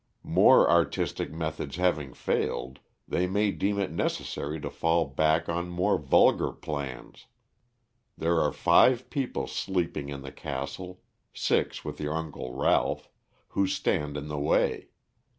More artistic methods having failed, they may deem it necessary to fall back on more vulgar plans. There are five people sleeping in the castle six with your Uncle Ralph who stand in the way.